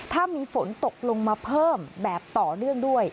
ถ้ามีฝนตกลงมาเพิ่มแบบต่อเนื่องด้วย